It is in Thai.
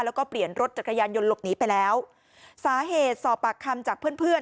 แล้วก็เปลี่ยนรถจักรยานยนต์หลบหนีไปแล้วสาเหตุสอบปากคำจากเพื่อนเพื่อน